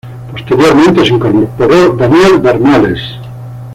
Posteriormente se incorporó Daniel Bernales.